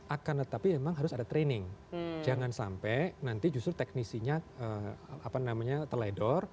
akan tetapi memang harus ada training jangan sampai nanti justru teknisinya teledor